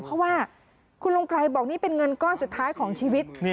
เพราะว่าคุณลุงไกรบอกนี่เป็นเงินก้อนสุดท้ายของชีวิต